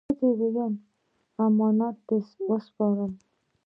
ښځه وویل: «امانت دې وسپاره؟»